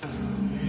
ええ！？